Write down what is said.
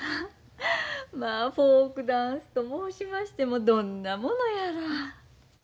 まあフォークダンスと申しましてもどんなものやら。